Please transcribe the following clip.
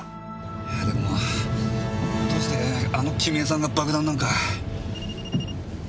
いやでもどうしてあの公江さんが爆弾なんか。